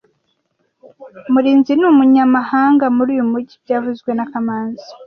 Murinzi ni umunyamahanga muri uyu mujyi byavuzwe na kamanzi